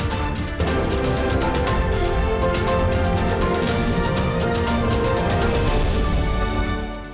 terima kasih pak assam